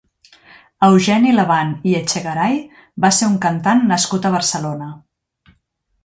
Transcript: Eugeni Laban i Echegaray va ser un cantant nascut a Barcelona.